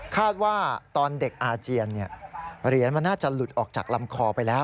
ว่าตอนเด็กอาเจียนเหรียญมันน่าจะหลุดออกจากลำคอไปแล้ว